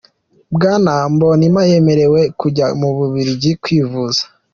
Bwana Mbonimpa yemerewe kujya mu Bubiligi kwivuza.